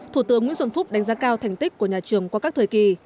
thủ tướng nguyễn xuân phúc đánh giá cao thành tích của nhà trường qua các thời kỳ